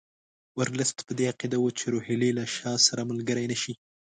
ورلسټ په دې عقیده وو چې روهیله له شاه سره ملګري نه شي.